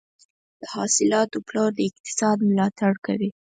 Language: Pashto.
د حاصلاتو پلور د اقتصاد ملاتړ کوي.